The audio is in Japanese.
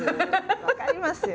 分かりますよ。